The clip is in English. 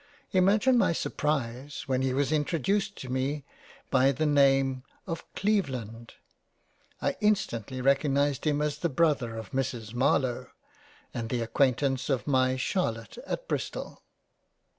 Imagine my surprise when he was introduced to me by the name of Cleveland — I instantly recognised him as the Brother of Mrs Marlowe, and the acquaintance of my Charlotte at Bristol.